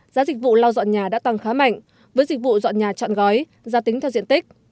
giá dịch vụ lau dọn nhà đã tăng khá mạnh với dịch vụ dọn nhà chọn gói giá tính theo diện tích